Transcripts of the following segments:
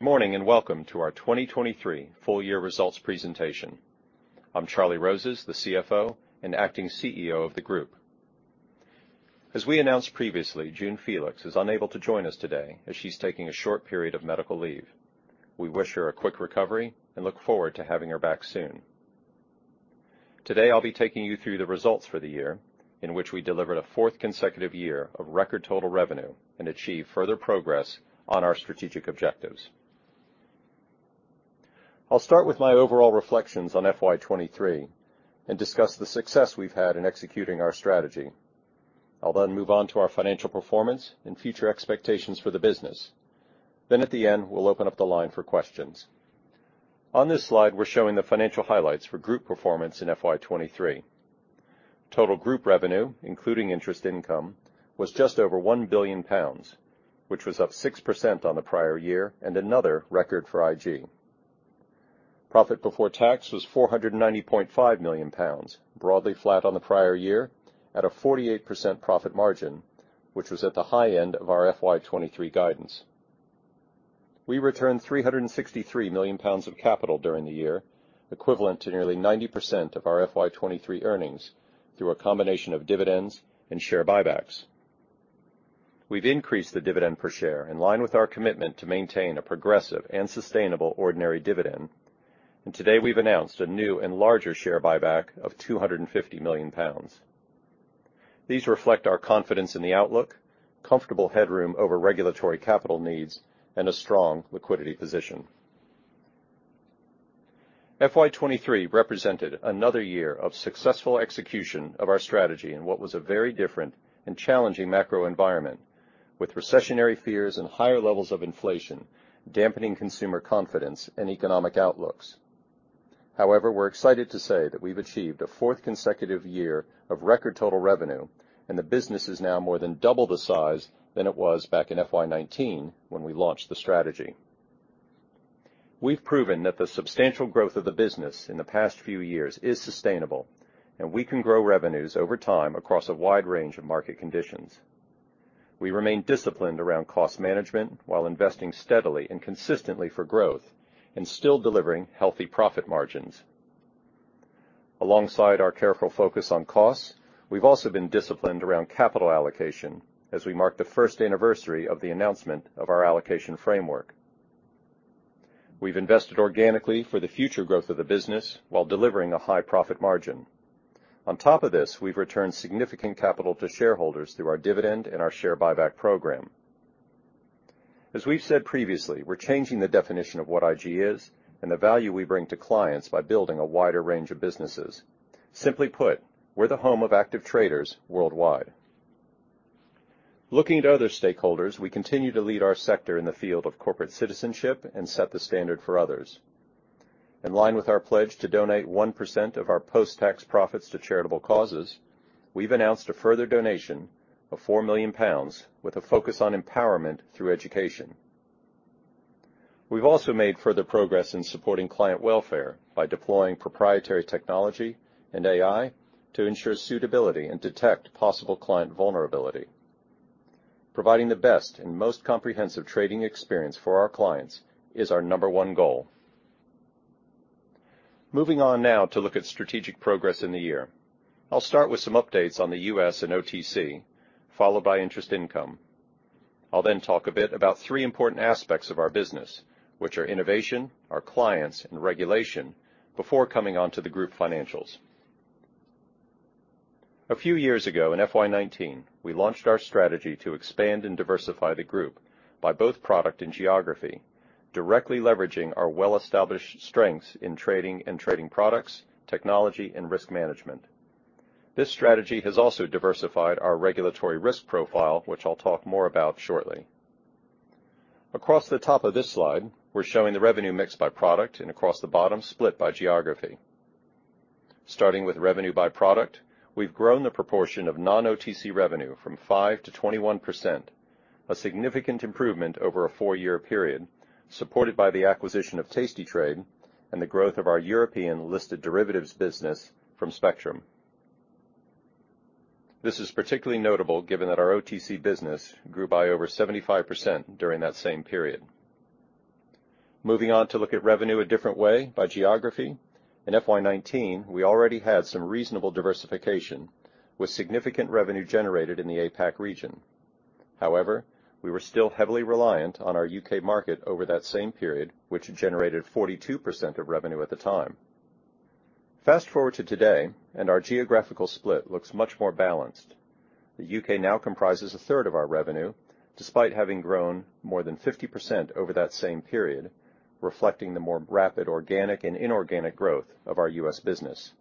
Good morning. Welcome to our 2023 full-year results presentation. I'm Charlie Rozes, the CFO and acting CEO of IG Group. As we announced previously, June Felix is unable to join us today as she's taking a short period of medical leave. We wish her a quick recovery and look forward to having her back soon. Today, I'll be taking you through the results for the year, in which we delivered a fourth consecutive year of record total revenue and achieved further progress on our strategic objectives. I'll start with my overall reflections on FY23 and discuss the success we've had in executing our strategy. I'll move on to our financial performance and future expectations for the business. At the end, we'll open up the line for questions. On this slide, we're showing the financial highlights for IG Group performance in FY23. Total group revenue, including interest income, was just over 1 billion pounds, which was up 6% on the prior year and another record for IG. Profit before tax was 490.5 million pounds, broadly flat on the prior year at a 48% profit margin, which was at the high end of our FY23 guidance. We returned 363 million pounds of capital during the year, equivalent to nearly 90% of our FY23 earnings, through a combination of dividends and share buybacks. We've increased the dividend per share in line with our commitment to maintain a progressive and sustainable ordinary dividend, and today we've announced a new and larger share buyback of 250 million pounds. These reflect our confidence in the outlook, comfortable headroom over regulatory capital needs, and a strong liquidity position. FY23 represented another year of successful execution of our strategy in what was a very different and challenging macro environment, with recessionary fears and higher levels of inflation, dampening consumer confidence and economic outlooks. We're excited to say that we've achieved a fourth consecutive year of record total revenue, and the business is now more than double the size than it was back in FY19 when we launched the strategy. We've proven that the substantial growth of the business in the past few years is sustainable, and we can grow revenues over time across a wide range of market conditions. We remain disciplined around cost management while investing steadily and consistently for growth and still delivering healthy profit margins. Alongside our careful focus on costs, we've also been disciplined around capital allocation as we mark the first anniversary of the announcement of our allocation framework. We've invested organically for the future growth of the business while delivering a high profit margin. On top of this, we've returned significant capital to shareholders through our dividend and our share buyback program. As we've said previously, we're changing the definition of what IG is and the value we bring to clients by building a wider range of businesses. Simply put, we're the home of active traders worldwide. Looking at other stakeholders, we continue to lead our sector in the field of corporate citizenship and set the standard for others. In line with our pledge to donate 1% of our post-tax profits to charitable causes, we've announced a further donation of 4 million pounds, with a focus on empowerment through education. We've also made further progress in supporting client welfare by deploying proprietary technology and AI to ensure suitability and detect possible client vulnerability. Providing the best and most comprehensive trading experience for our clients is our number one goal. Moving on now to look at strategic progress in the year. I'll start with some updates on the U.S. and OTC, followed by interest income. I'll then talk a bit about three important aspects of our business, which are innovation, our clients, and regulation, before coming on to the Group financials. A few years ago, in FY19, we launched our strategy to expand and diversify the Group by both product and geography, directly leveraging our well-established strengths in trading and trading products, technology, and risk management. This strategy has also diversified our regulatory risk profile, which I'll talk more about shortly. Across the top of this slide, we're showing the revenue mix by product and across the bottom, split by geography. Starting with revenue by product, we've grown the proportion of non-OTC revenue from 5 to 21%, a significant improvement over a 4-year period, supported by the acquisition of tastytrade and the growth of our European-listed derivatives business from Spectrum. This is particularly notable given that our OTC business grew by over 75% during that same period. Moving on to look at revenue a different way, by geography. In FY19, we already had some reasonable diversification, with significant revenue generated in the APAC region. However, we were still heavily reliant on our U.K. market over that same period, which generated 42% of revenue at the time. Fast-forward to today, and our geographical split looks much more balanced. The U.K. now comprises 1/3 of our revenue, despite having grown more than 50% over that same period, reflecting the more rapid, organic and inorganic growth of our U.S. business.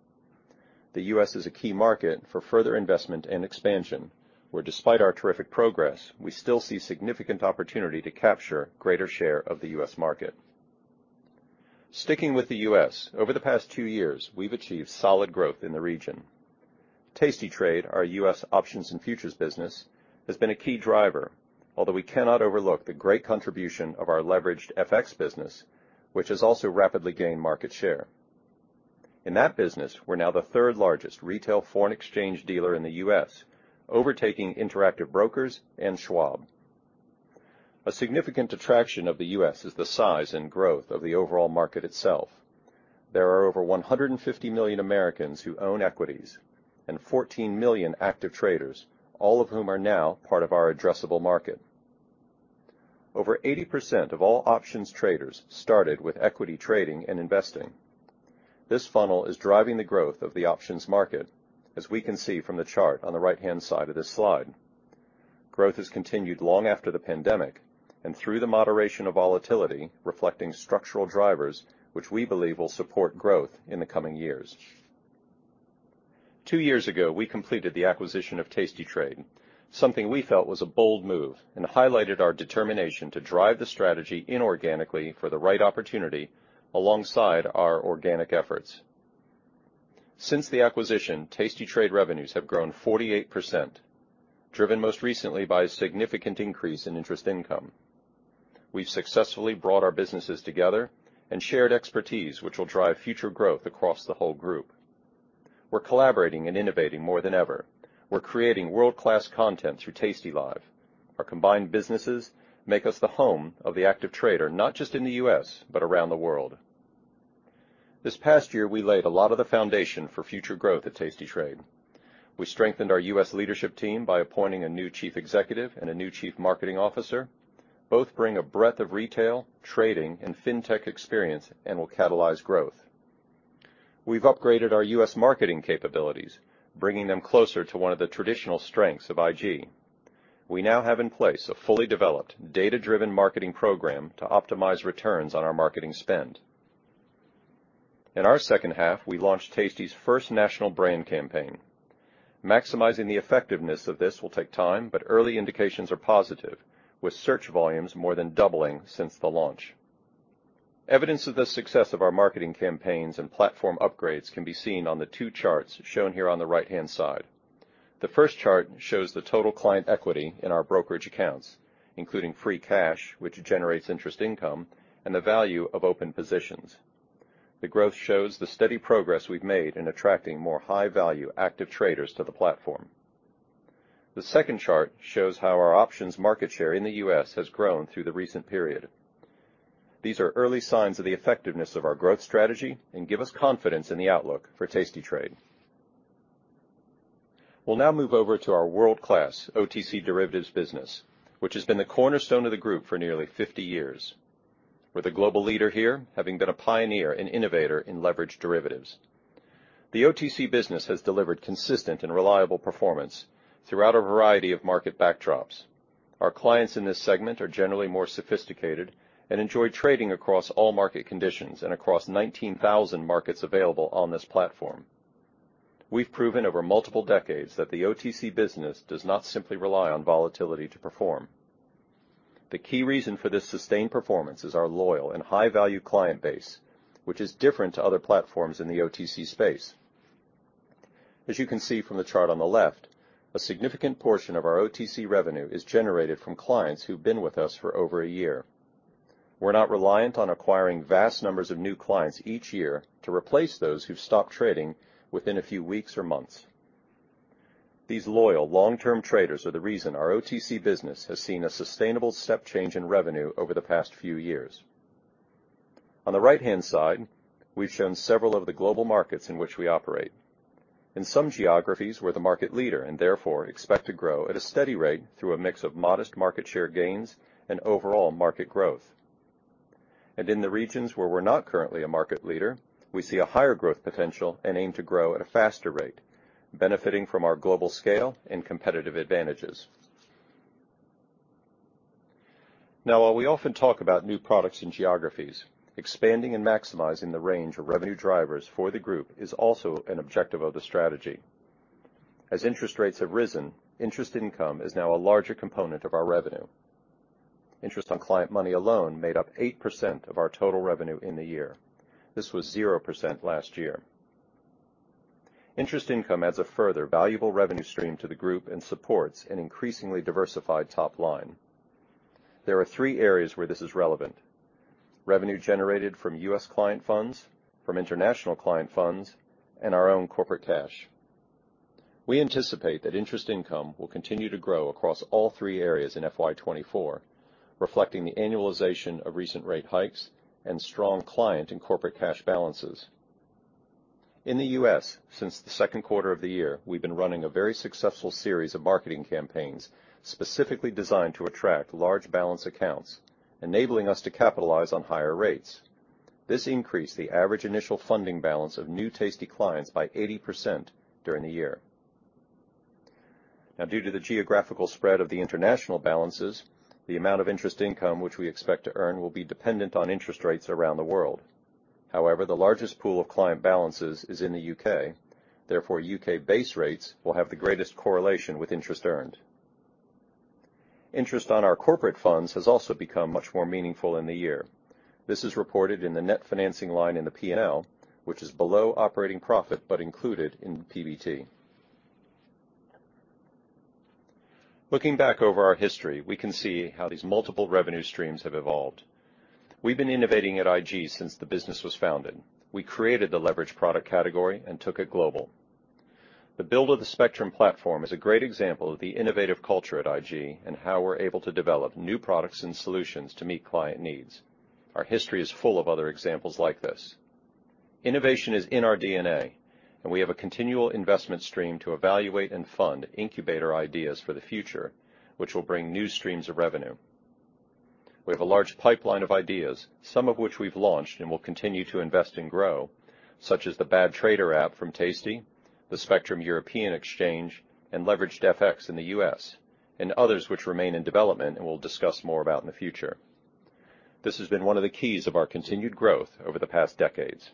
The U.S. is a key market for further investment and expansion, where, despite our terrific progress, we still see significant opportunity to capture greater share of the U.S. market. Sticking with the U.S., over the past two years, we've achieved solid growth in the region. tastytrade, our U.S. options and futures business, has been a key driver, although we cannot overlook the great contribution of our Leveraged FX business, which has also rapidly gained market share. In that business, we're now the third-largest retail foreign exchange dealer in the U.S., overtaking Interactive Brokers and Schwab. A significant attraction of the U.S. is the size and growth of the overall market itself. There are over 150 million Americans who own equities, and 14 million active traders, all of whom are now part of our addressable market. Over 80% of all options traders started with equity trading and investing. This funnel is driving the growth of the options market, as we can see from the chart on the right-hand side of this slide. Growth has continued long after the pandemic and through the moderation of volatility, reflecting structural drivers, which we believe will support growth in the coming years. 2 years ago, we completed the acquisition of tastytrade, something we felt was a bold move and highlighted our determination to drive the strategy inorganically for the right opportunity alongside our organic efforts. Since the acquisition, tastytrade revenues have grown 48%, driven most recently by a significant increase in interest income. We've successfully brought our businesses together and shared expertise, which will drive future growth across the whole Group. We're collaborating and innovating more than ever. We're creating world-class content through tastylive. Our combined businesses make us the home of the active trader, not just in the U.S., but around the world. This past year, we laid a lot of the foundation for future growth at tastytrade. We strengthened our U.S. leadership team by appointing a new chief executive and a new chief marketing officer. Both bring a breadth of retail, trading, and fintech experience and will catalyze growth. We've upgraded our U.S. marketing capabilities, bringing them closer to one of the traditional strengths of IG. We now have in place a fully developed, data-driven marketing program to optimize returns on our marketing spend. In our second half, we launched tasty's first national brand campaign. Maximizing the effectiveness of this will take time, but early indications are positive, with search volumes more than doubling since the launch. Evidence of the success of our marketing campaigns and platform upgrades can be seen on the 2 charts shown here on the right-hand side. The first chart shows the total client equity in our brokerage accounts, including free cash, which generates interest income, and the value of open positions. The growth shows the steady progress we've made in attracting more high-value, active traders to the platform. The second chart shows how our options market share in the US has grown through the recent period. These are early signs of the effectiveness of our growth strategy and give us confidence in the outlook for tastytrade. We'll now move over to our world-class OTC derivatives business, which has been the cornerstone of the group for nearly 50 years. We're the global leader here, having been a pioneer and innovator in leveraged derivatives. The OTC business has delivered consistent and reliable performance throughout a variety of market backdrops. Our clients in this segment are generally more sophisticated and enjoy trading across all market conditions and across 19,000 markets available on this platform. We've proven over multiple decades that the OTC business does not simply rely on volatility to perform. The key reason for this sustained performance is our loyal and high-value client base, which is different to other platforms in the OTC space. As you can see from the chart on the left, a significant portion of our OTC revenue is generated from clients who've been with us for over a year. We're not reliant on acquiring vast numbers of new clients each year to replace those who've stopped trading within a few weeks or months. These loyal long-term traders are the reason our OTC business has seen a sustainable step change in revenue over the past few years. On the right-hand side, we've shown several of the global markets in which we operate. In the regions where we're not currently a market leader, we see a higher growth potential and aim to grow at a faster rate, benefiting from our global scale and competitive advantages. While we often talk about new products and geographies, expanding and maximizing the range of revenue drivers for the group is also an objective of the strategy. As interest rates have risen, interest income is now a larger component of our revenue. Interest on client money alone made up 8% of our total revenue in the year. This was 0% last year. Interest income adds a further valuable revenue stream to the group and supports an increasingly diversified top line. There are three areas where this is relevant: revenue generated from U.S. client funds, from international client funds, and our own corporate cash. We anticipate that interest income will continue to grow across all three areas in FY24, reflecting the annualization of recent rate hikes and strong client and corporate cash balances. In the U.S., since the second quarter of the year, we've been running a very successful series of marketing campaigns, specifically designed to attract large balance accounts, enabling us to capitalize on higher rates. This increased the average initial funding balance of new Tasty clients by 80% during the year. Due to the geographical spread of the international balances, the amount of interest income which we expect to earn will be dependent on interest rates around the world. The largest pool of client balances is in the UK. Therefore, UK base rates will have the greatest correlation with interest earned. Interest on our corporate funds has also become much more meaningful in the year. This is reported in the net financing line in the P&L, which is below operating profit, but included in PBT.... Looking back over our history, we can see how these multiple revenue streams have evolved. We've been innovating at IG since the business was founded. We created the leverage product category and took it global. The build of the Spectrum platform is a great example of the innovative culture at IG and how we're able to develop new products and solutions to meet client needs. Our history is full of other examples like this. Innovation is in our DNA. We have a continual investment stream to evaluate and fund incubator ideas for the future, which will bring new streams of revenue. We have a large pipeline of ideas, some of which we've launched and will continue to invest and grow, such as the Bad Trader app from Tasty, the Spectrum European Exchange, and Leveraged FX in the US, and others which remain in development and we'll discuss more about in the future. This has been one of the keys of our continued growth over the past decades.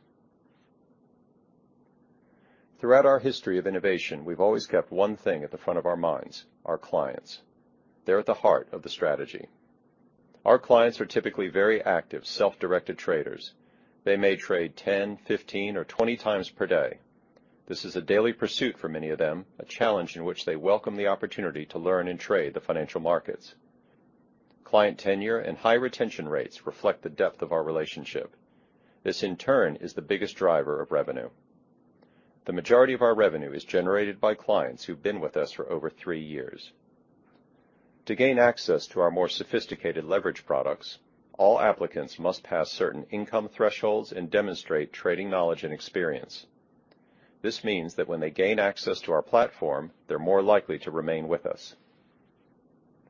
Throughout our history of innovation, we've always kept one thing at the front of our minds, our clients. They're at the heart of the strategy. Our clients are typically very active, self-directed traders. They may trade 10, 15, or 20 times per day. This is a daily pursuit for many of them, a challenge in which they welcome the opportunity to learn and trade the financial markets. Client tenure and high retention rates reflect the depth of our relationship. This, in turn, is the biggest driver of revenue. The majority of our revenue is generated by clients who've been with us for over three years. To gain access to our more sophisticated leverage products, all applicants must pass certain income thresholds and demonstrate trading knowledge and experience. This means that when they gain access to our platform, they're more likely to remain with us.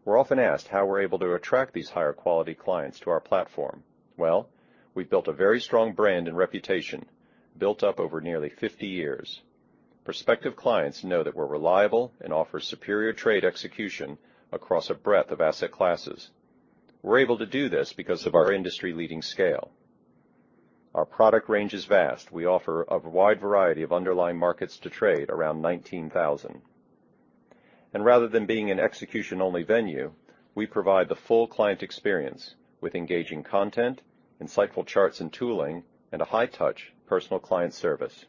We're often asked how we're able to attract these higher quality clients to our platform. Well, we've built a very strong brand and reputation, built up over nearly 50 years. Prospective clients know that we're reliable and offer superior trade execution across a breadth of asset classes. We're able to do this because of our industry-leading scale. Our product range is vast. We offer a wide variety of underlying markets to trade, around 19,000. Rather than being an execution-only venue, we provide the full client experience with engaging content, insightful charts and tooling, and a high-touch personal client service.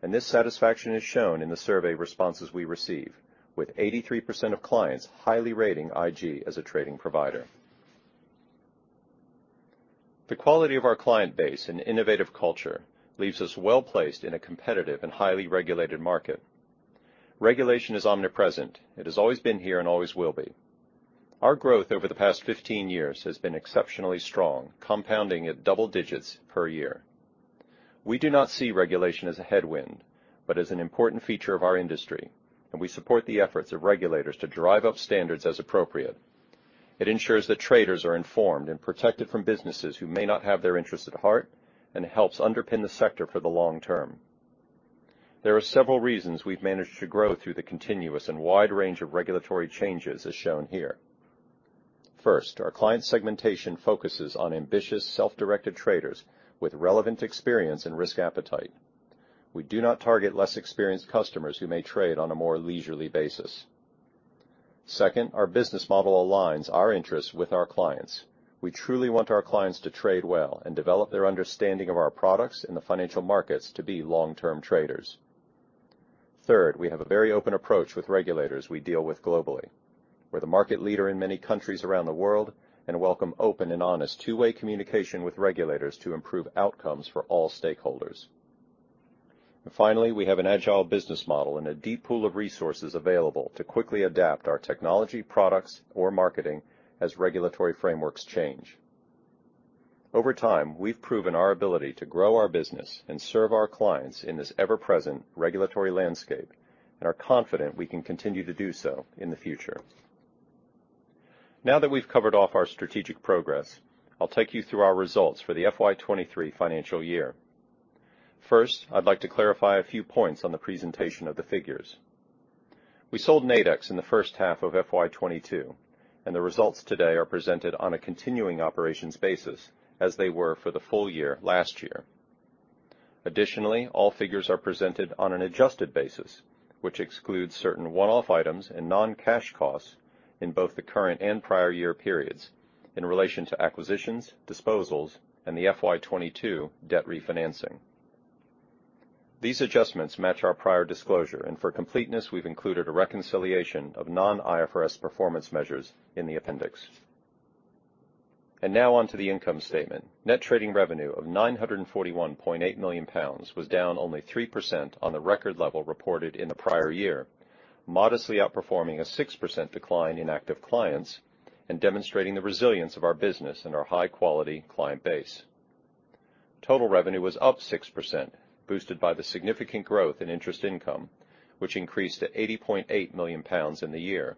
This satisfaction is shown in the survey responses we receive, with 83% of clients highly rating IG as a trading provider. The quality of our client base and innovative culture leaves us well-placed in a competitive and highly regulated market. Regulation is omnipresent. It has always been here and always will be. Our growth over the past 15 years has been exceptionally strong, compounding at double digits per year. We do not see regulation as a headwind, but as an important feature of our industry, and we support the efforts of regulators to drive up standards as appropriate. It ensures that traders are informed and protected from businesses who may not have their interests at heart, and it helps underpin the sector for the long term. There are several reasons we've managed to grow through the continuous and wide range of regulatory changes, as shown here. First, our client segmentation focuses on ambitious, self-directed traders with relevant experience and risk appetite. We do not target less experienced customers who may trade on a more leisurely basis. Second, our business model aligns our interests with our clients. We truly want our clients to trade well and develop their understanding of our products in the financial markets to be long-term traders. Third, we have a very open approach with regulators we deal with globally. We're the market leader in many countries around the world and welcome open and honest two-way communication with regulators to improve outcomes for all stakeholders. Finally, we have an agile business model and a deep pool of resources available to quickly adapt our technology, products, or marketing as regulatory frameworks change. Over time, we've proven our ability to grow our business and serve our clients in this ever-present regulatory landscape, and are confident we can continue to do so in the future. Now that we've covered off our strategic progress, I'll take you through our results for the FY23 financial year. First, I'd like to clarify a few points on the presentation of the figures. We sold Nadex in the first half of FY22, and the results today are presented on a continuing operations basis, as they were for the full year last year. Additionally, all figures are presented on an adjusted basis, which excludes certain one-off items and non-cash costs in both the current and prior year periods in relation to acquisitions, disposals, and the FY22 debt refinancing. These adjustments match our prior disclosure, and for completeness, we've included a reconciliation of non-IFRS performance measures in the appendix. Now on to the income statement. Net trading revenue of 941.8 million pounds was down only 3% on the record level reported in the prior year, modestly outperforming a 6% decline in active clients and demonstrating the resilience of our business and our high-quality client base. Total revenue was up 6%, boosted by the significant growth in interest income, which increased to 80.8 million pounds in the year.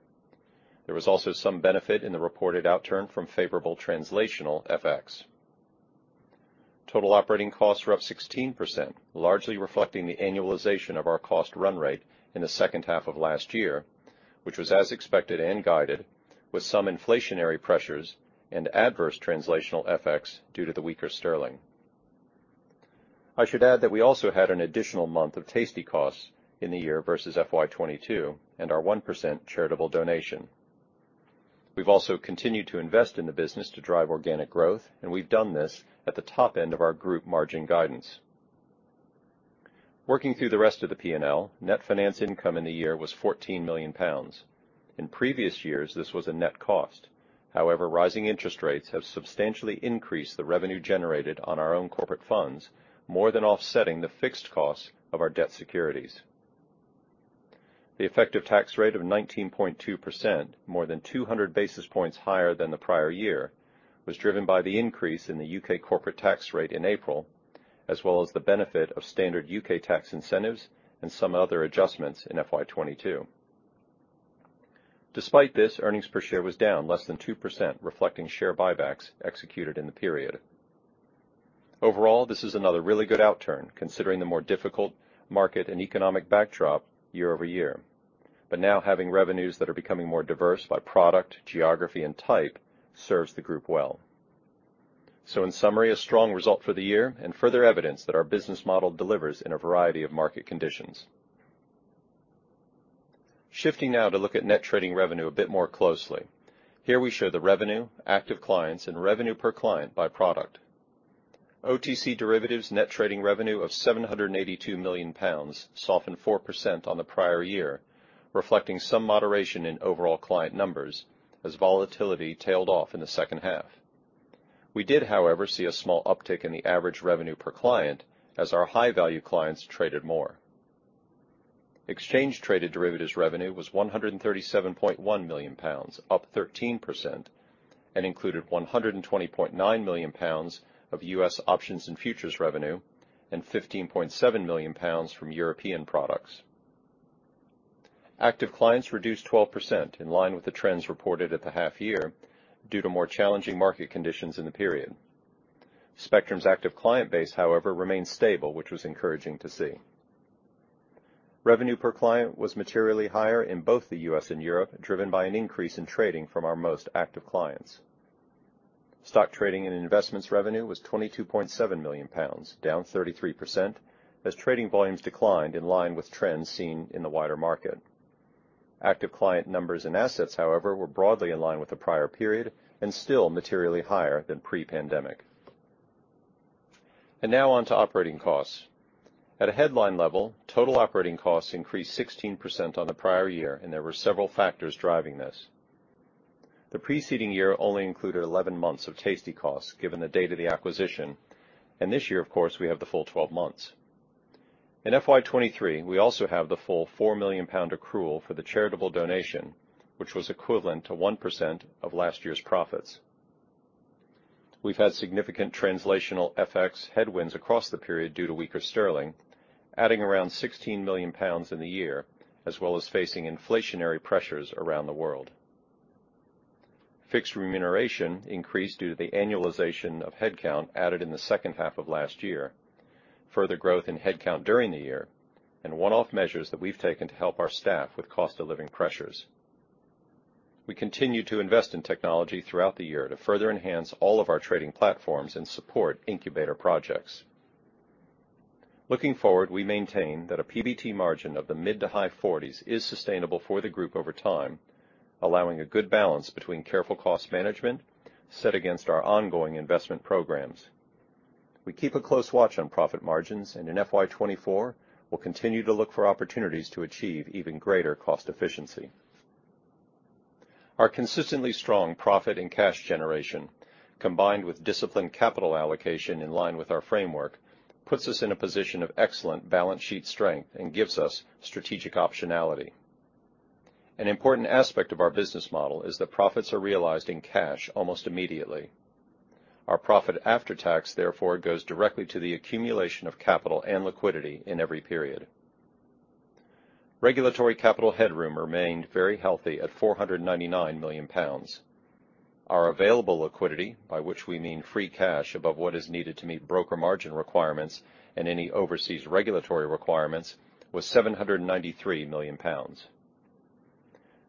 There was also some benefit in the reported outturn from favorable translational FX. Total operating costs were up 16%, largely reflecting the annualization of our cost run rate in the second half of last year, which was as expected and guided, with some inflationary pressures and adverse translational FX due to the weaker sterling. I should add that we also had an additional month of tasty costs in the year versus FY22 and our 1% charitable donation. We've also continued to invest in the business to drive organic growth, and we've done this at the top end of our group margin guidance. Working through the rest of the P&L, net finance income in the year was 14 million pounds. In previous years, this was a net cost. However, rising interest rates have substantially increased the revenue generated on our own corporate funds, more than offsetting the fixed costs of our debt securities. The effective tax rate of 19.2%, more than 200 basis points higher than the prior year, was driven by the increase in the U.K. corporate tax rate in April, as well as the benefit of standard U.K. tax incentives and some other adjustments in FY22. Despite this, earnings per share was down less than 2%, reflecting share buybacks executed in the period. Overall, this is another really good outturn, considering the more difficult market and economic backdrop year-over-year. Now, having revenues that are becoming more diverse by product, geography, and type serves the Group well. In summary, a strong result for the year and further evidence that our business model delivers in a variety of market conditions. Shifting now to look at net trading revenue a bit more closely. Here we show the revenue, active clients, and revenue per client by product. OTC derivatives net trading revenue of 782 million pounds softened 4% on the prior year, reflecting some moderation in overall client numbers as volatility tailed off in the second half. We did, however, see a small uptick in the average revenue per client as our high-value clients traded more. Exchange traded derivatives revenue was 137.1 million pounds, up 13%, and included 120.9 million pounds of US options and futures revenue, and 15.7 million pounds from European products. Active clients reduced 12%, in line with the trends reported at the half year, due to more challenging market conditions in the period. Spectrum's active client base, however, remains stable, which was encouraging to see. Revenue per client was materially higher in both the US and Europe, driven by an increase in trading from our most active clients. Stock trading and investments revenue was 22.7 million pounds, down 33%, as trading volumes declined in line with trends seen in the wider market. Active client numbers and assets, however, were broadly in line with the prior period and still materially higher than pre-pandemic. Now on to operating costs. At a headline level, total operating costs increased 16% on the prior year. There were several factors driving this. The preceding year only included 11 months of Tasty costs, given the date of the acquisition. This year, of course, we have the full 12 months. In FY23, we also have the full 4 million pound accrual for the charitable donation, which was equivalent to 1% of last year's profits. We've had significant translational FX headwinds across the period due to weaker sterling, adding around 16 million pounds in the year. As well as facing inflationary pressures around the world. Fixed remuneration increased due to the annualization of headcount added in the second half of last year, further growth in headcount during the year, and one-off measures that we've taken to help our staff with cost of living pressures. We continued to invest in technology throughout the year to further enhance all of our trading platforms and support incubator projects. Looking forward, we maintain that a PBT margin of the mid to high 40s is sustainable for the group over time, allowing a good balance between careful cost management set against our ongoing investment programs. In FY24, we'll continue to look for opportunities to achieve even greater cost efficiency. Our consistently strong profit and cash generation, combined with disciplined capital allocation in line with our framework, puts us in a position of excellent balance sheet strength and gives us strategic optionality. An important aspect of our business model is that profits are realized in cash almost immediately. Our profit after tax, therefore, goes directly to the accumulation of capital and liquidity in every period. Regulatory capital headroom remained very healthy at 499 million pounds. Our available liquidity, by which we mean free cash above what is needed to meet broker margin requirements and any overseas regulatory requirements, was 793 million pounds.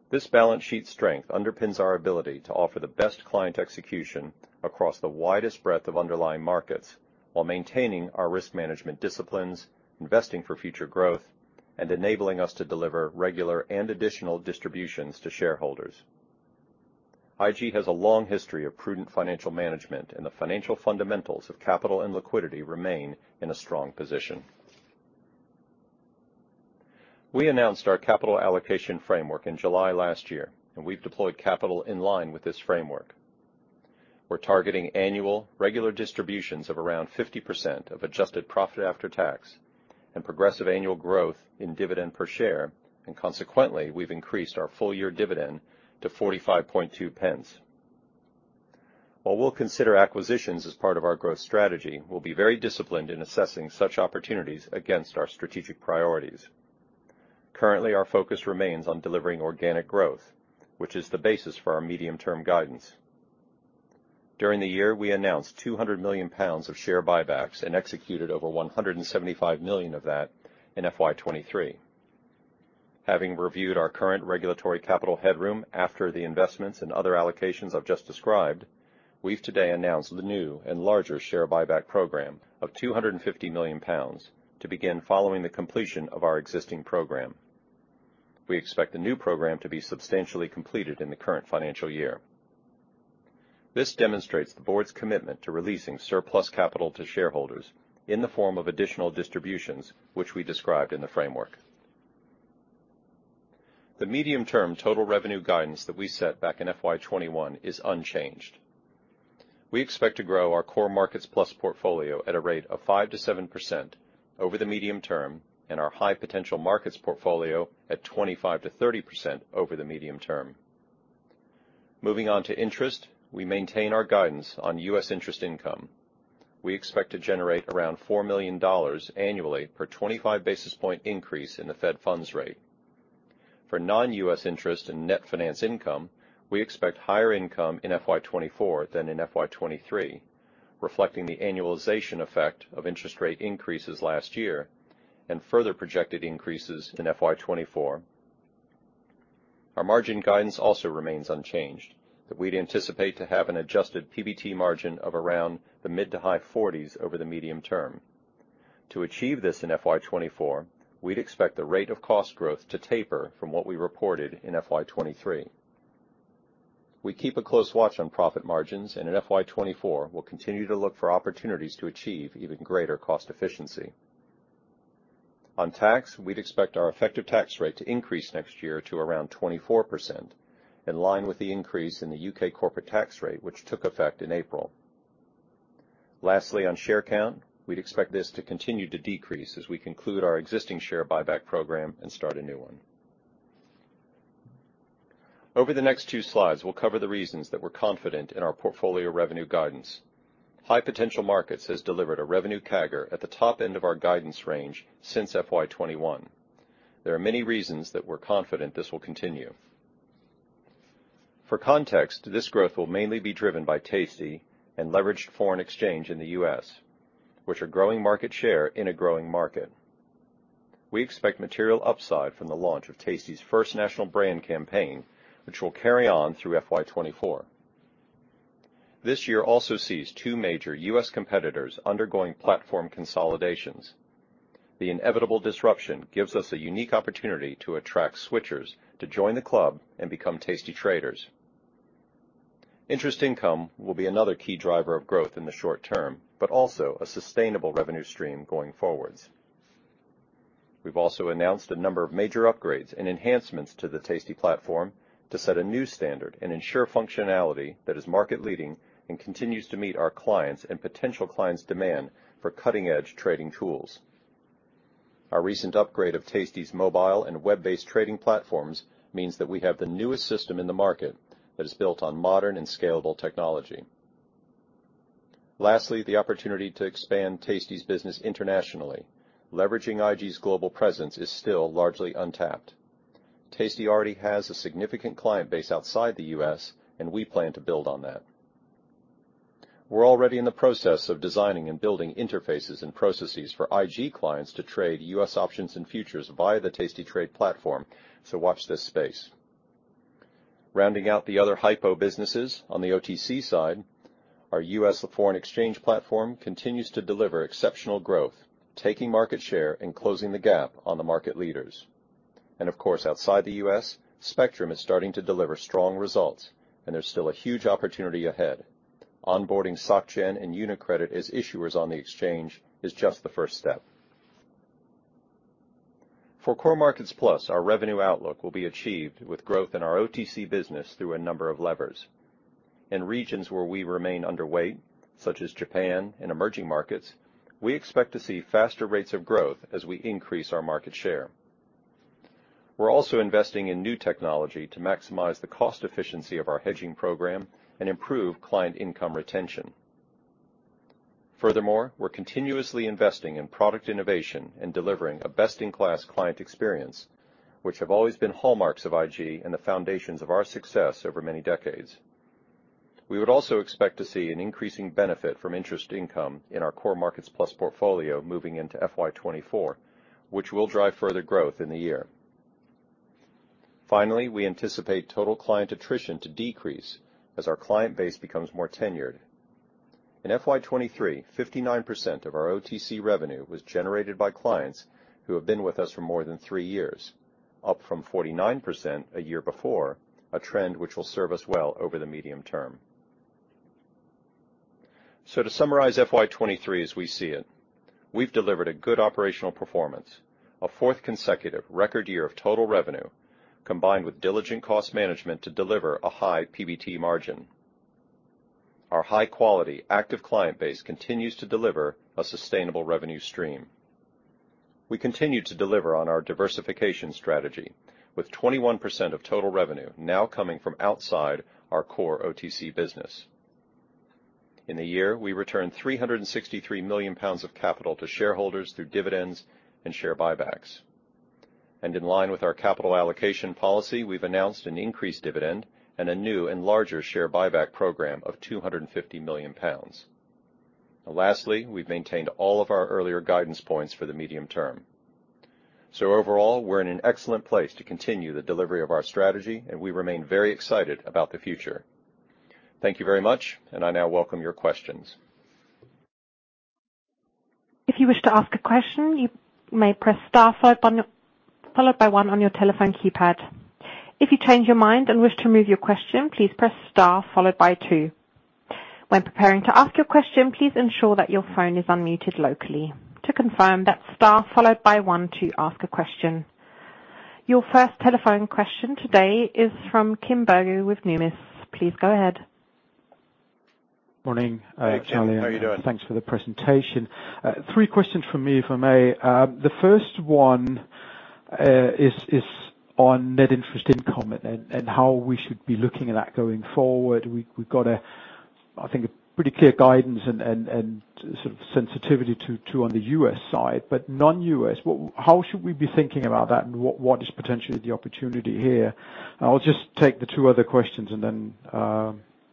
This balance sheet strength underpins our ability to offer the best client execution across the widest breadth of underlying markets, while maintaining our risk management disciplines, investing for future growth, and enabling us to deliver regular and additional distributions to shareholders. IG has a long history of prudent financial management, and the financial fundamentals of capital and liquidity remain in a strong position. We announced our capital allocation framework in July last year, and we've deployed capital in line with this framework. We're targeting annual regular distributions of around 50% of adjusted profit after tax and progressive annual growth in dividend per share, and consequently, we've increased our full-year dividend to 0.452. While we'll consider acquisitions as part of our growth strategy, we'll be very disciplined in assessing such opportunities against our strategic priorities. Currently, our focus remains on delivering organic growth, which is the basis for our medium-term guidance. During the year, we announced 200 million pounds of share buybacks and executed over 175 million of that in FY23. Having reviewed our current regulatory capital headroom after the investments and other allocations I've just described, we've today announced the new and larger share buyback program of 250 million pounds to begin following the completion of our existing program. We expect the new program to be substantially completed in the current financial year. This demonstrates the board's commitment to releasing surplus capital to shareholders in the form of additional distributions, which we described in the framework. The medium-term total revenue guidance that we set back in FY21 is unchanged. We expect to grow our Core Markets+ portfolio at a rate of 5%-7% over the medium term, and our High Potential Markets portfolio at 25%-30% over the medium term. Moving on to interest, we maintain our guidance on US interest income. We expect to generate around $4 million annually per 25 basis points increase in the federal funds rate. For non-US interest and net finance income, we expect higher income in FY24 than in FY23, reflecting the annualization effect of interest rate increases last year and further projected increases in FY24. Our margin guidance also remains unchanged, that we'd anticipate to have an adjusted PBT margin of around the mid-to-high 40s over the medium term. To achieve this in FY24, we'd expect the rate of cost growth to taper from what we reported in FY23. We keep a close watch on profit margins, and in FY24, we'll continue to look for opportunities to achieve even greater cost efficiency. On tax, we'd expect our effective tax rate to increase next year to around 24%, in line with the increase in the U.K. corporate tax rate, which took effect in April. Lastly, on share count, we'd expect this to continue to decrease as we conclude our existing share buyback program and start a new one. Over the next two slides, we'll cover the reasons that we're confident in our portfolio revenue guidance. High Potential Markets has delivered a revenue CAGR at the top end of our guidance range since FY21. There are many reasons that we're confident this will continue. For context, this growth will mainly be driven by Tasty and Leveraged Foreign Exchange in the U.S., which are growing market share in a growing market. We expect material upside from the launch of Tasty's first national brand campaign, which will carry on through FY24. This year also sees 2 major U.S. competitors undergoing platform consolidations. The inevitable disruption gives us a unique opportunity to attract switchers to join the club and become tastytrade traders. Interest income will be another key driver of growth in the short term, but also a sustainable revenue stream going forwards. We've also announced a number of major upgrades and enhancements to the tastytrade platform to set a new standard and ensure functionality that is market-leading and continues to meet our clients' and potential clients' demand for cutting-edge trading tools. Our recent upgrade of tastytrade's mobile and web-based trading platforms means that we have the newest system in the market that is built on modern and scalable technology. Lastly, the opportunity to expand tastytrade's business internationally, leveraging IG's global presence, is still largely untapped. Tasty already has a significant client base outside the U.S., we plan to build on that. We're already in the process of designing and building interfaces and processes for IG clients to trade U.S. options and futures via the tastytrade platform, watch this space. Rounding out the other high-po businesses, on the OTC side, our U.S. foreign exchange platform continues to deliver exceptional growth, taking market share and closing the gap on the market leaders. Of course, outside the U.S., Spectrum is starting to deliver strong results, and there's still a huge opportunity ahead. Onboarding Soc Gen and UniCredit as issuers on the exchange is just the first step. For Core Markets+, our revenue outlook will be achieved with growth in our OTC business through a number of levers. In regions where we remain underweight, such as Japan and emerging markets, we expect to see faster rates of growth as we increase our market share. We're also investing in new technology to maximize the cost efficiency of our hedging program and improve client income retention. Furthermore, we're continuously investing in product innovation and delivering a best-in-class client experience, which have always been hallmarks of IG and the foundations of our success over many decades. We would also expect to see an increasing benefit from interest income in our Core Markets+ portfolio moving into FY24, which will drive further growth in the year. Finally, we anticipate total client attrition to decrease as our client base becomes more tenured. In FY23, 59% of our OTC revenue was generated by clients who have been with us for more than 3 years, up from 49% a year before, a trend which will serve us well over the medium term. To summarize FY23 as we see it, we've delivered a good operational performance, a fourth consecutive record year of total revenue, combined with diligent cost management to deliver a high PBT margin. Our high-quality, active client base continues to deliver a sustainable revenue stream. We continue to deliver on our diversification strategy, with 21% of total revenue now coming from outside our core OTC business. In the year, we returned 363 million pounds of capital to shareholders through dividends and share buybacks. In line with our capital allocation policy, we've announced an increased dividend and a new and larger share buyback program of 250 million pounds. Lastly, we've maintained all of our earlier guidance points for the medium term. Overall, we're in an excellent place to continue the delivery of our strategy, and we remain very excited about the future. Thank you very much, and I now welcome your questions.... If you wish to ask a question, you may press star 5 on your followed by 1 on your telephone keypad. If you change your mind and wish to remove your question, please press star followed by 2. When preparing to ask your question, please ensure that your phone is unmuted locally. To confirm, that's star followed by 1 to ask a question. Your first telephone question today is from Kimberly Bogoje with Numis. Please go ahead. Morning, Charlie. Hey, Kimberly. How are you doing? Thanks for the presentation. Three questions from me, if I may. The first one is on net interest income and how we should be looking at that going forward. We've got a, I think, a pretty clear guidance and sort of sensitivity to on the US side, but non-US, how should we be thinking about that, and what is potentially the opportunity here? I'll just take the two other questions, and then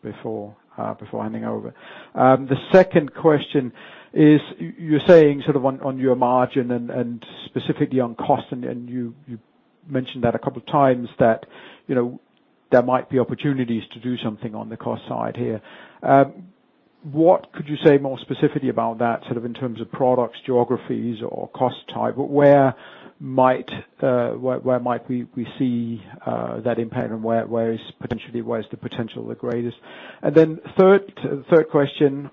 before handing over. The second question is, you're saying sort of on your margin and specifically on cost, and you mentioned that a couple of times, that, you know, there might be opportunities to do something on the cost side here. What could you say more specifically about that, sort of in terms of products, geographies, or cost type? Where might we see that impact and where is the potential the greatest? Third question,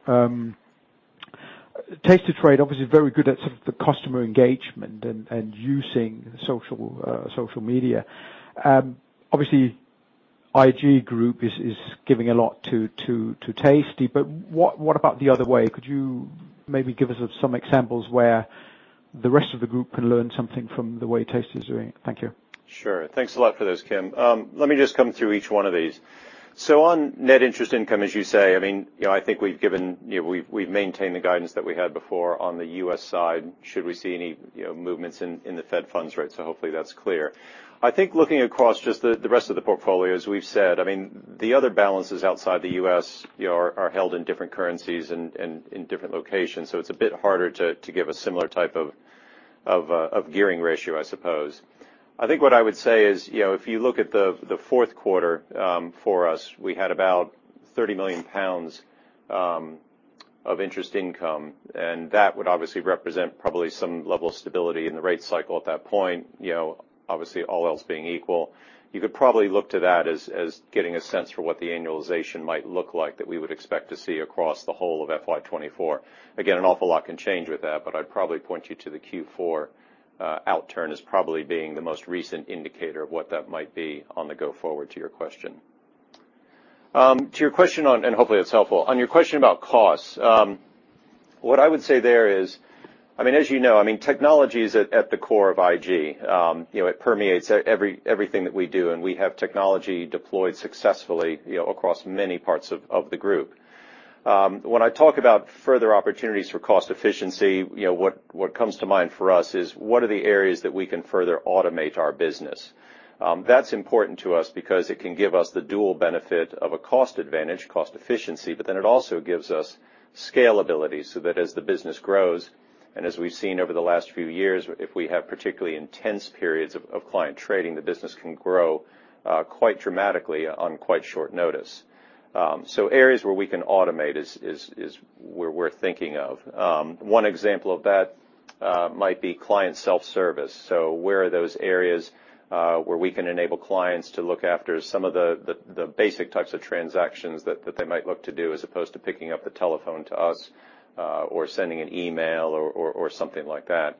tastytrade, obviously very good at sort of the customer engagement and using social media. Obviously, IG Group is giving a lot to tasty, but what about the other way? Could you maybe give us some examples where the rest of the group can learn something from the way tasty is doing it? Thank you. Sure. Thanks a lot for those, Kimberly. Let me just come through each one of these. On net interest income, as you say, I mean, you know, we've maintained the guidance that we had before on the U.S. side, should we see any, you know, movements in the Fed funds rate, hopefully that's clear. I think looking across just the rest of the portfolio, as we've said, I mean, the other balances outside the U.S., you know, are held in different currencies and in different locations, it's a bit harder to give a similar type of gearing ratio, I suppose. I think what I would say is, you know, if you look at the fourth quarter, for us, we had about 30 million pounds of interest income, and that would obviously represent probably some level of stability in the rate cycle at that point. You know, obviously, all else being equal, you could probably look to that as getting a sense for what the annualization might look like, that we would expect to see across the whole of FY24. An awful lot can change with that, but I'd probably point you to the Q4 outturn as probably being the most recent indicator of what that might be on the go forward to your question. To your question on. Hopefully that's helpful. On your question about costs, what I would say there is, I mean, as you know, I mean, technology is at the core of IG. you know, it permeates everything that we do, and we have technology deployed successfully, you know, across many parts of the group. when I talk about further opportunities for cost efficiency, you know, what comes to mind for us is, what are the areas that we can further automate our business? that's important to us because it can give us the dual benefit of a cost advantage, cost efficiency, but then it also gives us scalability, so that as the business grows, and as we've seen over the last few years, if we have particularly intense periods of client trading, the business can grow, quite dramatically on quite short notice. Areas where we can automate is where we're thinking of. One example of that might be client self-service. Where are those areas where we can enable clients to look after some of the basic types of transactions that they might look to do, as opposed to picking up the telephone to us, or sending an email or something like that?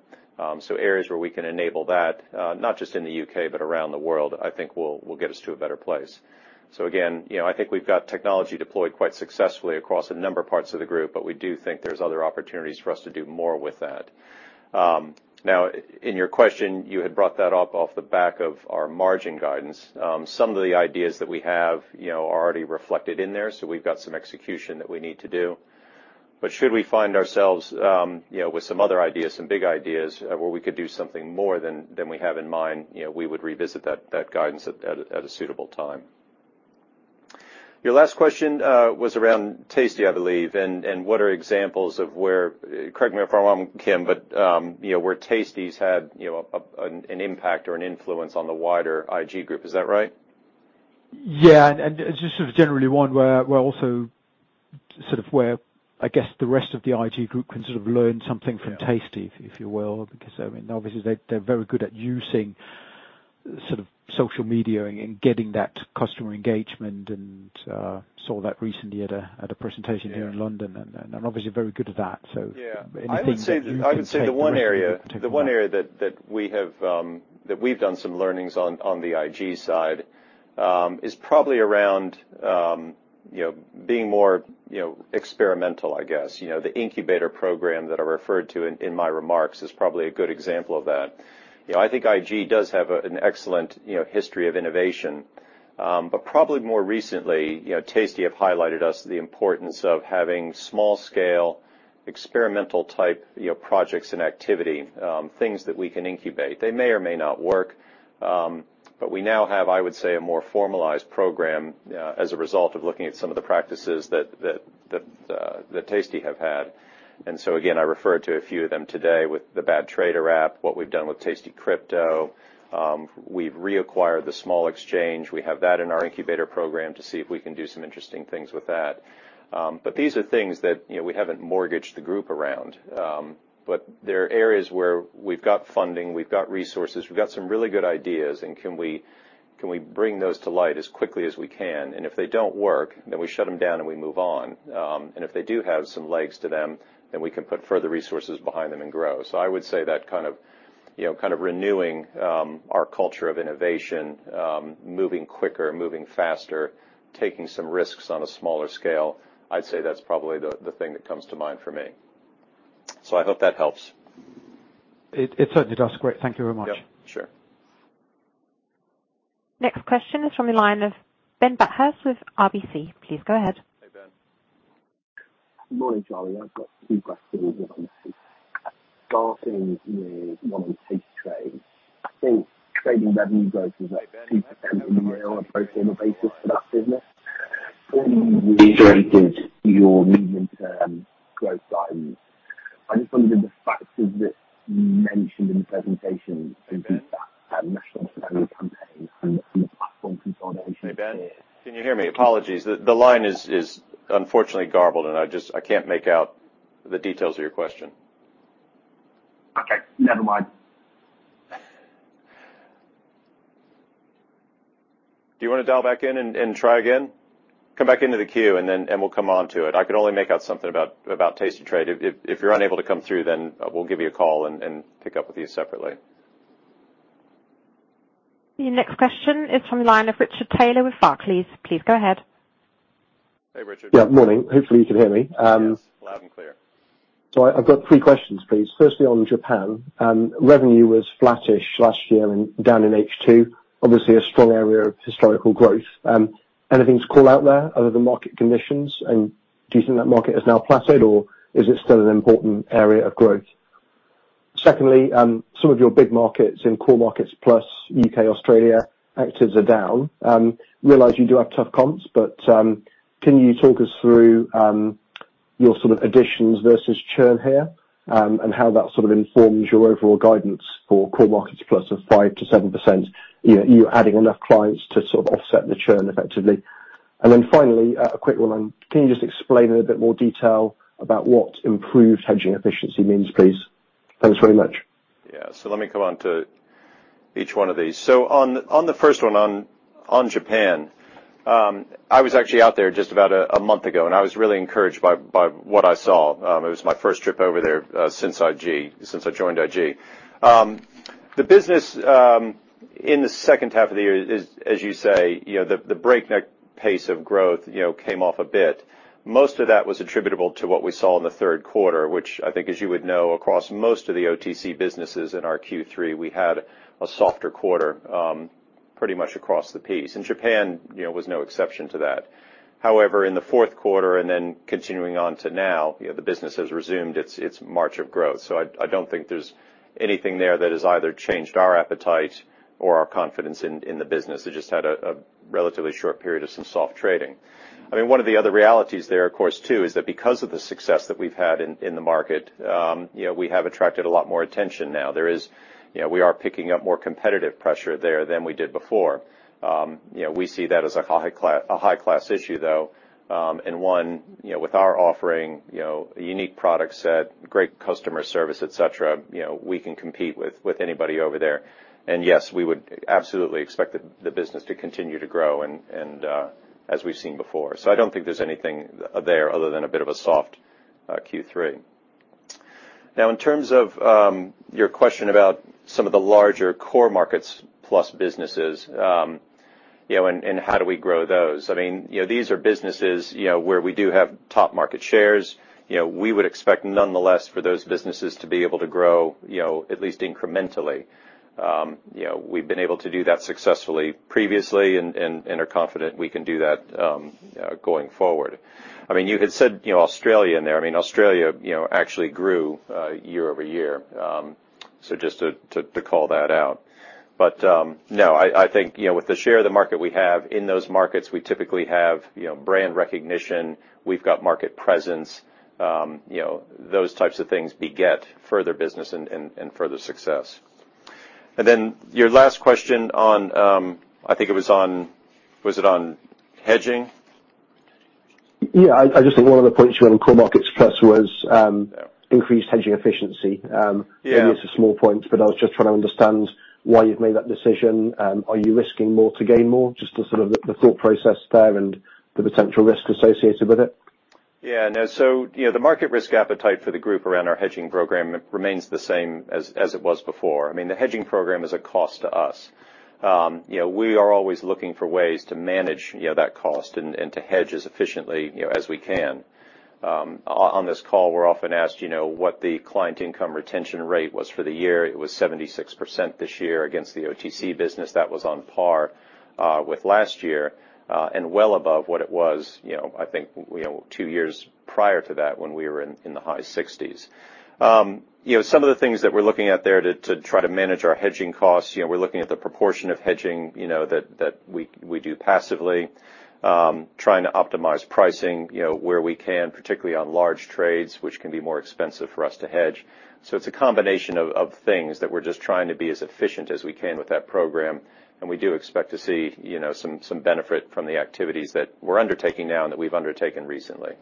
Areas where we can enable that, not just in the UK, but around the world, I think will get us to a better place. Again, you know, I think we've got technology deployed quite successfully across a number of parts of the group, but we do think there's other opportunities for us to do more with that. Now, in your question, you had brought that up off the back of our margin guidance. Some of the ideas that we have, you know, are already reflected in there, so we've got some execution that we need to do. Should we find ourselves, you know, with some other ideas, some big ideas, where we could do something more than we have in mind, you know, we would revisit that guidance at a suitable time. Your last question was around Tasty, I believe, and what are examples of where... Correct me if I'm wrong, Kimberly, but, you know, where Tasty's had, you know, an impact or an influence on the wider IG Group. Is that right? Yeah, just sort of generally one where also sort of where I guess the rest of the IG Group can sort of learn something from. Yeah... Tasty, if you will, because, I mean, obviously they're very good at using sort of social media and getting that customer engagement, and saw that recently at a presentation. Yeah... here in London, and obviously very good at that. So- Yeah... anything that you would say? I would say the one area, the one area that we have, that we've done some learnings on the IG side, is probably around, you know, being more, you know, experimental, I guess. You know, the incubator program that I referred to in my remarks is probably a good example of that. You know, I think IG does have an excellent, you know, history of innovation, but probably more recently, you know, Tasty have highlighted us the importance of having small scale, experimental type, you know, projects and activity, things that we can incubate. They may or may not work, but we now have, I would say, a more formalized program, as a result of looking at some of the practices that Tasty have had. Again, I referred to a few of them today with the tastytrade app, what we've done with tastycrypto. We've reacquired The Small Exchange. We have that in our incubator program to see if we can do some interesting things with that. These are things that, you know, we haven't mortgaged the group around. There are areas where we've got funding, we've got resources, we've got some really good ideas, and can we bring those to light as quickly as we can? If they don't work, then we shut them down, and we move on. If they do have some legs to them, then we can put further resources behind them and grow. I would say that kind of, you know, renewing our culture of innovation, moving quicker, moving faster, taking some risks on a smaller scale. I'd say that's probably the thing that comes to mind for me. I hope that helps. It certainly does. Great. Thank you very much. Yep. Sure. Next question is from the line of Ben Bathurst with RBC. Please go ahead. Hey, Ben. Good morning, Charlie. I've got two questions. Starting with one on tastytrade. I think trading revenue growth is at 2% in the year on a pro forma basis for that business. Hey, Ben? Your medium-term growth guidance. I just wondered if the factors that you mentioned in the presentation, would be that national campaign and some platform consolidation- Hey, Ben? Can you hear me? Apologies. The line is unfortunately garbled, I just, I can't make out the details of your question. Okay, never mind. Do you want to dial back in and try again? Come back into the queue, and then we'll come on to it. I could only make out something about tastytrade. If you're unable to come through, then we'll give you a call and pick up with you separately. The next question is from the line of Richard Taylor with Barclays. Please go ahead. Hey, Richard. Yeah. Morning. Hopefully you can hear me. Yes. Loud and clear. I've got 3 questions, please. Firstly, on Japan, revenue was flattish last year and down in H2, obviously a strong area of historical growth. Anything to call out there other than market conditions? Do you think that market is now placid, or is it still an important area of growth? Secondly, some of your big markets in Core Markets+, UK, Australia, actives are down. Realize you do have tough comps, can you talk us through your sort of additions versus churn here? How that sort of informs your overall guidance for Core Markets+ of 5%-7%. You know, are you adding enough clients to sort of offset the churn effectively. Finally, a quick one. Can you just explain in a bit more detail about what improved hedging efficiency means, please? Thanks very much. Yeah. Let me come on to each one of these. On the first one, on Japan, I was actually out there just about a month ago, and I was really encouraged by what I saw. It was my first trip over there since I joined IG. The business in the second half of the year is, as you say, you know, the breakneck pace of growth, you know, came off a bit. Most of that was attributable to what we saw in the third quarter, which I think, as you would know, across most of the OTC businesses in our Q3, we had a softer quarter pretty much across the piece. Japan, you know, was no exception to that. In the fourth quarter, continuing on to now, you know, the business has resumed its march of growth. I don't think there's anything there that has either changed our appetite or our confidence in the business. It just had a relatively short period of some soft trading. I mean, one of the other realities there, of course, too, is that because of the success that we've had in the market, you know, we have attracted a lot more attention now. You know, we are picking up more competitive pressure there than we did before. You know, we see that as a high-class issue, though, and one, you know, with our offering, you know, a unique product set, great customer service, et cetera, you know, we can compete with anybody over there. Yes, we would absolutely expect the business to continue to grow as we've seen before. I don't think there's anything there other than a bit of a soft Q3. In terms of your question about some of the larger Core Markets+ businesses, you know, how do we grow those? I mean, you know, these are businesses, you know, where we do have top market shares. We would expect, nonetheless, for those businesses to be able to grow, you know, at least incrementally. You know, we've been able to do that successfully previously and are confident we can do that going forward. I mean, you had said, you know, Australia in there. I mean, Australia, you know, actually grew year-over-year. Just to call that out. No, I think, you know, with the share of the market we have in those markets, we typically have, you know, brand recognition, we've got market presence, you know, those types of things beget further business and further success. Your last question on, I think it was on... Was it on hedging? Yeah. I just think one of the points you were in Core Markets+ was increased hedging efficiency. Yeah. Maybe it's a small point, but I was just trying to understand why you've made that decision. Are you risking more to gain more? Yeah. The thought process there and the potential risk associated with it. No. You know, the market risk appetite for the group around our hedging program remains the same as it was before. I mean, the hedging program is a cost to us. You know, we are always looking for ways to manage, you know, that cost and to hedge as efficiently, you know, as we can. On this call, we're often asked, you know, what the client income retention rate was for the year. It was 76% this year against the OTC business. That was on par with last year and well above what it was, you know, I think, you know, 2 years prior to that, when we were in the high 60s. You know, some of the things that we're looking at there to try to manage our hedging costs, you know, we're looking at the proportion of hedging, you know, that we do passively, trying to optimize pricing, you know, where we can, particularly on large trades, which can be more expensive for us to hedge. It's a combination of things that we're just trying to be as efficient as we can with that program. We do expect to see, you know, some benefit from the activities that we're undertaking now and that we've undertaken recently.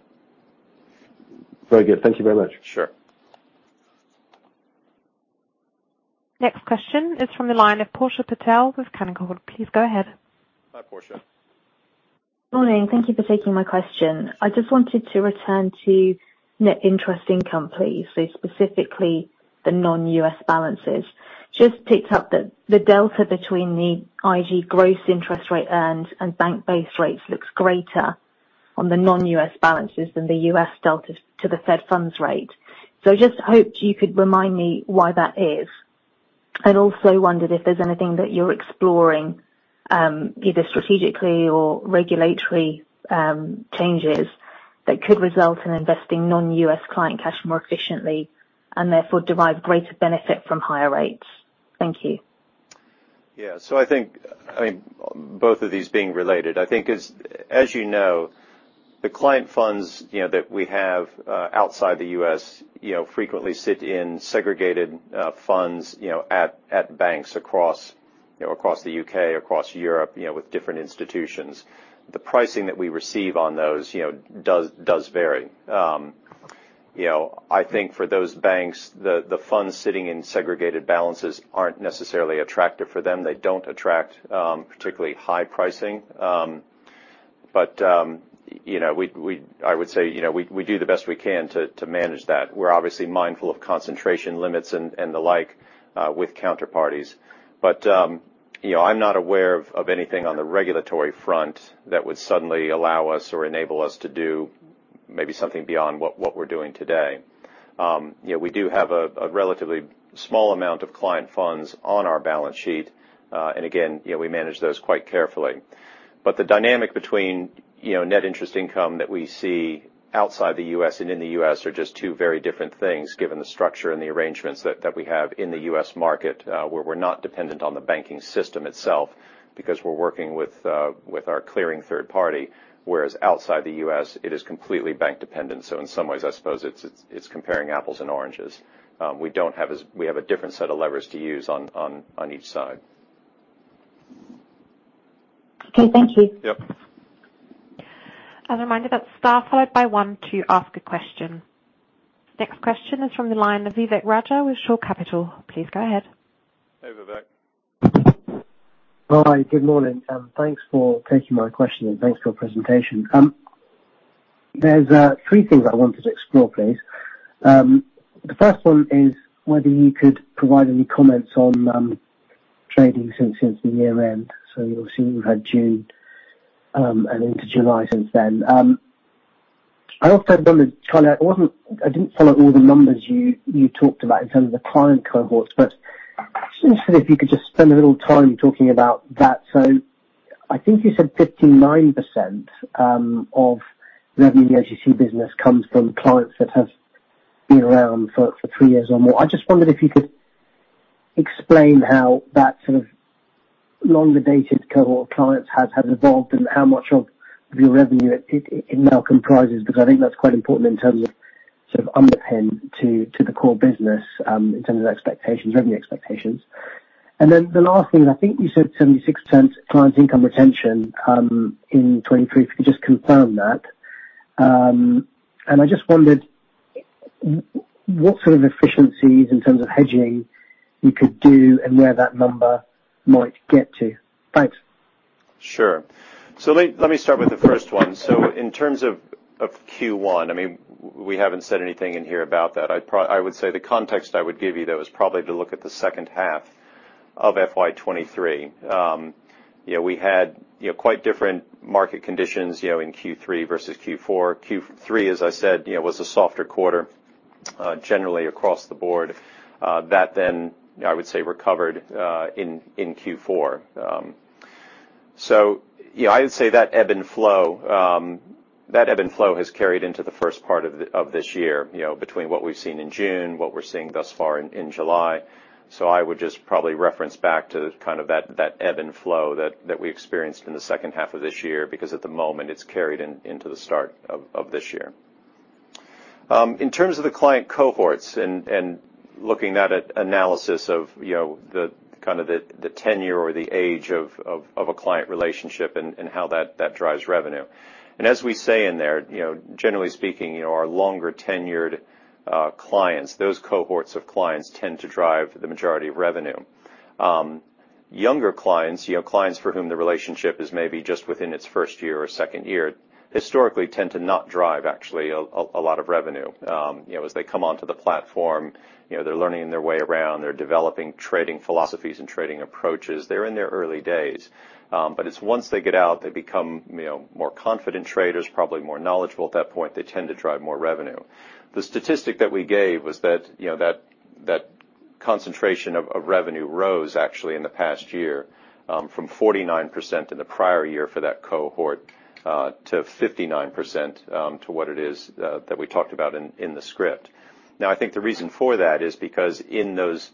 Very good. Thank you very much. Sure. Next question is from the line of Portia Patel with Canaccord. Please go ahead. Hi, Portia. Morning. Thank you for taking my question. I just wanted to return to net interest income, please. Specifically, the non-US balances. Just picked up that the delta between the IG gross interest rate earned and bank-based rates looks greater on the non-US balances than the US delta to the federal funds rate. I just hoped you could remind me why that is. I'd also wondered if there's anything that you're exploring, either strategically or regulatory, changes that could result in investing non-US client cash more efficiently and therefore derive greater benefit from higher rates. Thank you. I think, I mean, both of these being related, I think as you know, the client funds, you know, that we have outside the U.S., you know, frequently sit in segregated funds, you know, at banks across, you know, across the U.K., across Europe, you know, with different institutions. The pricing that we receive on those, you know, does vary. You know, I think for those banks, the funds sitting in segregated balances aren't necessarily attractive for them. They don't attract particularly high pricing. I would say, you know, we do the best we can to manage that. We're obviously mindful of concentration limits and the like with counterparties. you know, I'm not aware of anything on the regulatory front that would suddenly allow us or enable us to do maybe something beyond what we're doing today. you know, we do have a relatively small amount of client funds on our balance sheet. again, you know, we manage those quite carefully. The dynamic between, you know, net interest income that we see outside the U.S. and in the U.S. are just two very different things, given the structure and the arrangements that we have in the U.S. market, where we're not dependent on the banking system itself because we're working with our clearing third party. Whereas outside the U.S., it is completely bank dependent. In some ways, I suppose it's comparing apples and oranges. We don't have as... We have a different set of levers to use on each side. Okay, thank you. Yep. A reminder that Star followed by 1 to ask a question. Next question is from the line of Vivek Raja with Shore Capital. Please go ahead. Hey, Vivek. Hi, good morning, and thanks for taking my question, and thanks for your presentation. There's three things I wanted to explore, please. The first one is whether you could provide any comments on trading since the year end. Obviously, you've had June and into July since then. I also wondered, I didn't follow all the numbers you talked about in terms of the client cohorts, but I was interested if you could just spend a little time talking about that. I think you said 59% of revenue the OTC business comes from clients that have been around for three years or more. I just wondered if you could explain how that sort of longer-dated cohort of clients has evolved and how much of your revenue it now comprises, because I think that's quite important in terms of sort of underpin to the core business in terms of expectations, revenue expectations. The last thing, I think you said 76% client income retention in 2023, if you could just confirm that. I just wondered what sort of efficiencies in terms of hedging you could do and where that number might get to? Thanks. Sure. let me start with the first one. In terms of Q1, I mean, we haven't said anything in here about that. I would say the context I would give you, though, is probably to look at the second half of FY23. You know, we had, you know, quite different market conditions, you know, in Q3 versus Q4. Q3, as I said, you know, was a softer quarter, generally across the board. That then, I would say, recovered in Q4. Yeah, I would say that ebb and flow has carried into the first part of this year, you know, between what we've seen in June, what we're seeing thus far in July. I would just probably reference back to kind of that ebb and flow that we experienced in the 2nd half of this year, because at the moment, it's carried into the start of this year. In terms of the client cohorts and looking at an analysis of, you know, the kind of the tenure or the age of a client relationship and how that drives revenue. As we say in there, you know, generally speaking, you know, our longer-tenured clients, those cohorts of clients tend to drive the majority of revenue. Younger clients, you know, clients for whom the relationship is maybe just within its 1st year or 2nd year, historically tend to not drive actually a lot of revenue. You know, as they come onto the platform, you know, they're learning their way around, they're developing trading philosophies and trading approaches. They're in their early days, but it's once they get out, they become, you know, more confident traders, probably more knowledgeable at that point, they tend to drive more revenue. The statistic that we gave was that, you know, that concentration of revenue rose actually in the past year, from 49% in the prior year for that cohort, to 59%, to what it is that we talked about in the script. I think the reason for that is because in those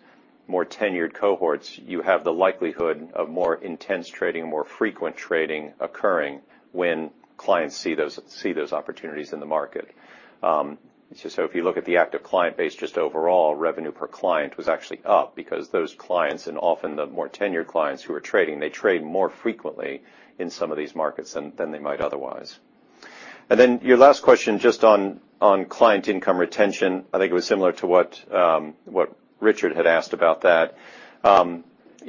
more tenured cohorts, you have the likelihood of more intense trading, more frequent trading occurring when clients see those, see those opportunities in the market. If you look at the active client base, just overall, revenue per client was actually up because those clients, and often the more tenured clients who are trading, they trade more frequently in some of these markets than they might otherwise. Then your last question, just on client income retention, I think it was similar to what Richard had asked about that. You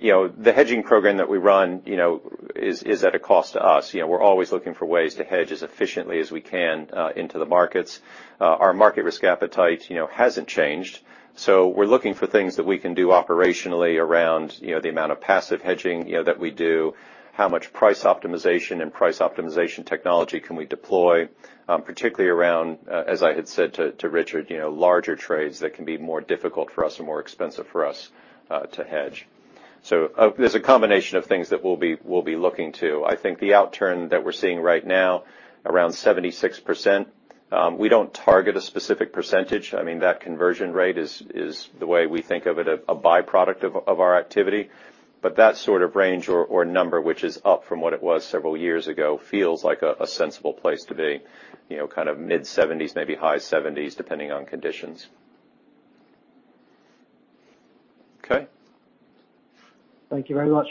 know, the hedging program that we run, you know, is at a cost to us. You know, we're always looking for ways to hedge as efficiently as we can into the markets. Our market risk appetite, you know, hasn't changed. We're looking for things that we can do operationally around, you know, the amount of passive hedging, you know, that we do, how much price optimization and price optimization technology can we deploy, particularly around, as I had said to Richard, you know, larger trades that can be more difficult for us or more expensive for us, to hedge. There's a combination of things that we'll be looking to. I think the outturn that we're seeing right now, around 76%, we don't target a specific percentage. I mean, that conversion rate is, the way we think of it, a byproduct of our activity. That sort of range or number, which is up from what it was several years ago, feels like a sensible place to be, you know, kind of mid-seventies, maybe high seventies, depending on conditions. Okay? Thank you very much.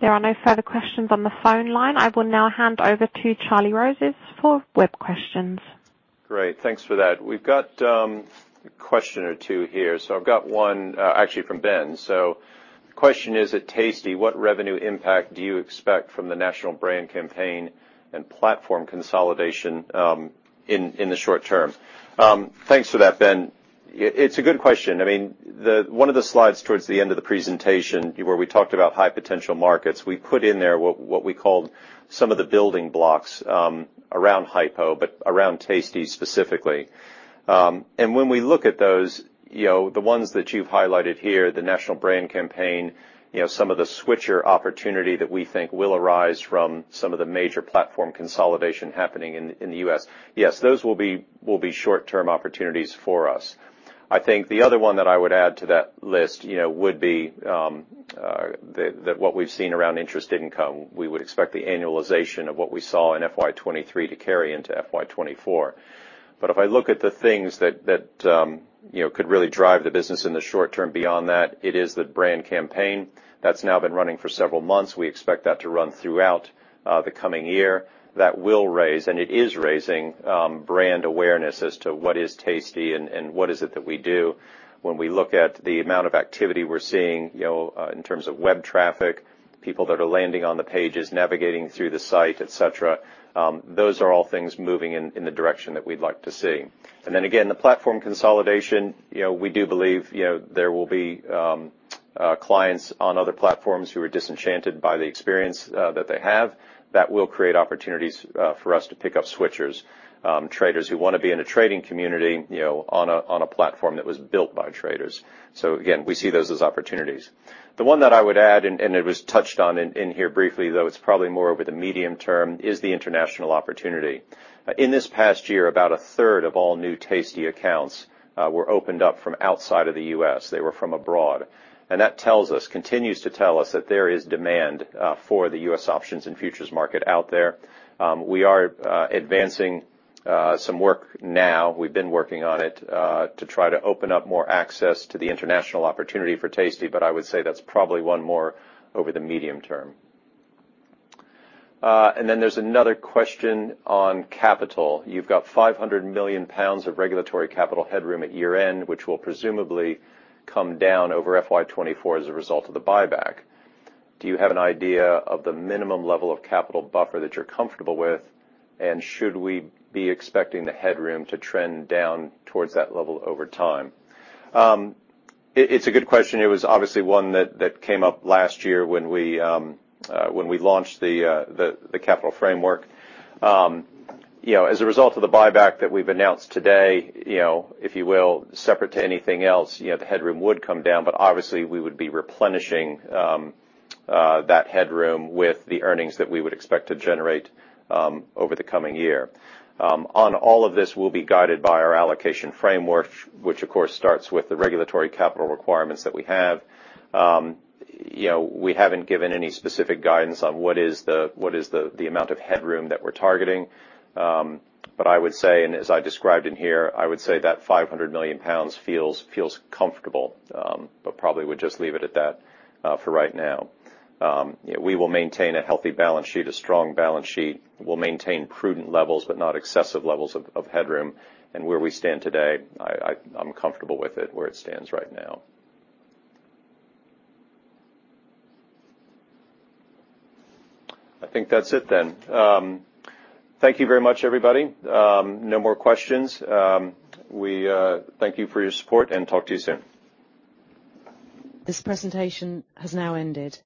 There are no further questions on the phone line. I will now hand over to Charlie Rozes for web questions. Great, thanks for that. We've got a question or two here. I've got one, actually from Ben Bathurst. The question is, "At tastytrade, what revenue impact do you expect from the national brand campaign and platform consolidation in the short term?" Thanks for that, Ben Bathurst. It's a good question. I mean, one of the slides towards the end of the presentation, where we talked about High Potential Markets, we put in there what we called some of the building blocks around hypo, but around tastytrade specifically. When we look at those, you know, the ones that you've highlighted here, the national brand campaign, you know, some of the switcher opportunity that we think will arise from some of the major platform consolidation happening in the U.S. Yes, those will be short-term opportunities for us. I think the other one that I would add to that list, you know, would be that what we've seen around interest income. We would expect the annualization of what we saw in FY23 to carry into FY24. If I look at the things that, you know, could really drive the business in the short term beyond that, it is the brand campaign that's now been running for several months. We expect that to run throughout the coming year. That will raise, and it is raising, brand awareness as to what is Tasty and what is it that we do. When we look at the amount of activity we're seeing, you know, in terms of web traffic, people that are landing on the pages, navigating through the site, et cetera, those are all things moving in the direction that we'd like to see. Again, the platform consolidation, you know, we do believe, you know, there will be clients on other platforms who are disenchanted by the experience that they have. That will create opportunities for us to pick up switchers, traders who want to be in a trading community, you know, on a platform that was built by traders. Again, we see those as opportunities. The one that I would add, and it was touched on in here briefly, though it's probably more over the medium term, is the international opportunity. In this past year, about a third of all new Tasty accounts were opened up from outside of the U.S. They were from abroad. That tells us, continues to tell us, that there is demand for the U.S. options and futures market out there. We are advancing some work now, we've been working on it, to try to open up more access to the international opportunity for Tasty, but I would say that's probably one more over the medium term. There's another question on capital. "You've got 500 million pounds of regulatory capital headroom at year-end, which will presumably come down over FY24 as a result of the buyback. Do you have an idea of the minimum level of capital buffer that you're comfortable with, and should we be expecting the headroom to trend down towards that level over time? It's a good question. It was obviously one that came up last year when we launched the capital framework. You know, as a result of the buyback that we've announced today, you know, if you will, separate to anything else, you know, the headroom would come down, but obviously, we would be replenishing that headroom with the earnings that we would expect to generate over the coming year. On all of this, we'll be guided by our allocation framework, which, of course, starts with the regulatory capital requirements that we have. you know, we haven't given any specific guidance on what is the amount of headroom that we're targeting. I would say, and as I described in here, I would say that 500 million pounds feels comfortable, but probably would just leave it at that for right now. We will maintain a healthy balance sheet, a strong balance sheet. We'll maintain prudent levels, but not excessive levels of headroom. Where we stand today, I'm comfortable with it where it stands right now. I think that's it then. Thank you very much, everybody. No more questions. We thank you for your support, and talk to you soon. This presentation has now ended.